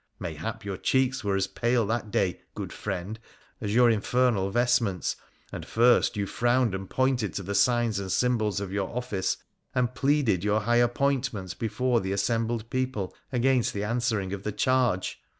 Mayhap your cheeks were as pale that day, good friend, as your infernal vestments, and first you frowned and pointed to the signs and symbols of your office, and pleaded your high appointment before the assembled people against the answering of the charge.